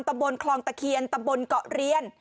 ตำบลคลองตะเคียนตำบลเกาะเรียน